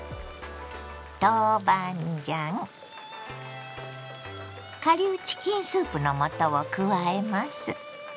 豆板醤顆粒チキンスープの素を加えます。